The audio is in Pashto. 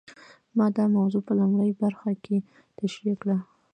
ما دا موضوع په لومړۍ برخه کې تشرېح کړه.